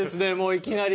いきなり。